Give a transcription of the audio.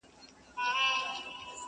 o چرگه چي ببره سي، بده جناوره سي!